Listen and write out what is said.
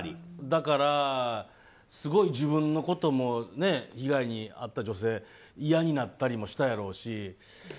だから、すごい自分のことも被害に遭った女性嫌になったりもしたやろうし。